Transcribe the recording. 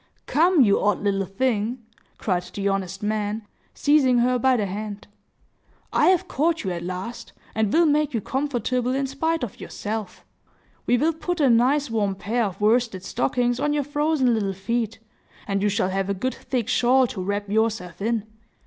"Come, you odd little thing!" cried the honest man, seizing her by the hand, "I have caught you at last, and will make you comfortable in spite of yourself. We will put a nice warm pair of worsted stockings on your frozen little feet, and you shall have a good thick shawl to wrap yourself in.